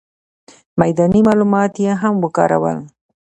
میداني معلومات یې هم وکارول.